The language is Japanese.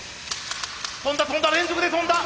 飛んだ飛んだ連続で飛んだ！